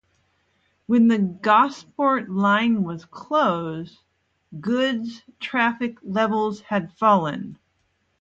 When the Gosport line was closed, goods traffic levels had fallen.